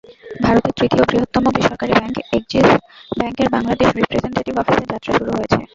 ভারতের তৃতীয় বৃহত্তম বেসরকারি ব্যাংক এক্সিস ব্যাংকের বাংলাদেশ রিপ্রেজেনটেটিভ অফিসের যাত্রা শুরু হয়েছে।